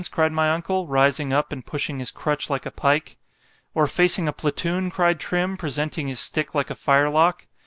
cried my uncle, rising up, and pushing his crutch like a pike.——Or facing a platoon? cried Trim, presenting his stick like a firelock.